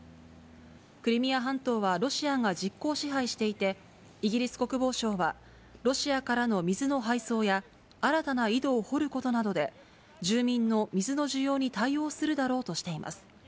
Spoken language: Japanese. クリミア半島はロシアが実効支配していて、イギリス国防省は、ロシアからの水の配送や、新たな井戸を掘ることなどで、住民の水の需要に対応するだろうとしています。